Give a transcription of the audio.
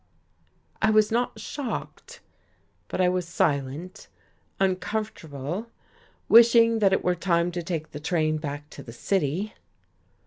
I was not shocked, but I was silent, uncomfortable, wishing that it were time to take the train back to the city.